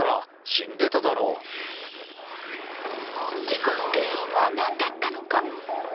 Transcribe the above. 事故の原因は何だったのか。